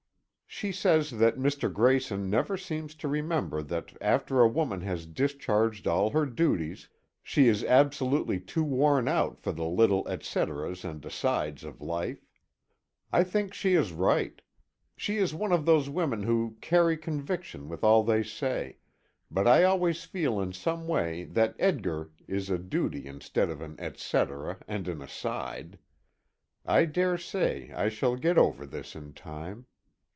She says that Mr. Grayson never seems to remember that after a woman has discharged all her duties, she is absolutely too worn out for the little et ceteras and asides of life. I think she is right. She is one of those women who carry conviction with all they say; but I always feel in some way that Edgar is a duty instead of an et cetera and an aside. I dare say I shall get over this in time.